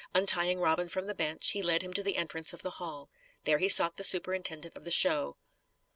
Untying Robin from the bench, he led him to the entrance of the hall. There he sought the superintendent of the show.